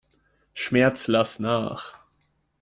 Schmerz, lass nach!